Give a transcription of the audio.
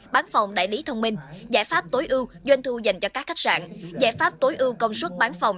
bán phòng đại lý thông minh giải pháp tối ưu doanh thu dành cho các khách sạn giải pháp tối ưu công suất bán phòng